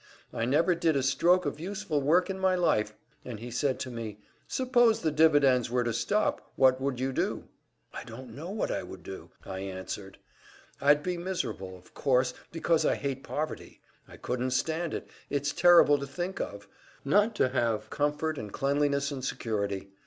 I never did a stroke of useful work in my life.' And he said to me, `Suppose the dividends were to stop, what would you do?' 'I don't know what I'd do,' I answered, `I'd be miserable, of course, because I hate poverty, I couldn't stand it, it's terrible to think of not to have comfort and cleanliness and security.